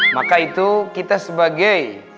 maka itu kita sebagai